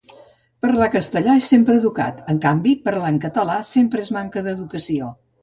Parlar castellà és sempre educat en canvi parlar en català sempre és manca educació